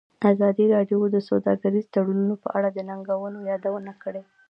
ازادي راډیو د سوداګریز تړونونه په اړه د ننګونو یادونه کړې.